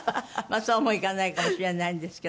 そうもいかないかもしれないんですけども。